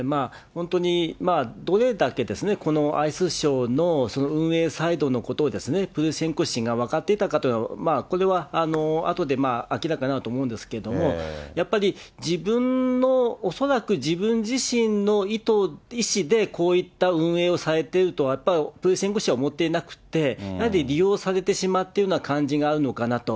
本当にどれだけこのアイスショーの運営サイドのことをプルシェンコ氏が分かっていたかというのは、これはあとで明らかになると思うんですけれども、やっぱり自分の、恐らく、自分自身の意思でこういった運営をされてるとはやっぱりプルシェンコ氏は思っていなくて、利用されてしまっているような感じがあるのかなと。